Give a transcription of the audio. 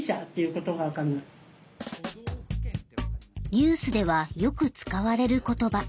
ニュースではよく使われる言葉。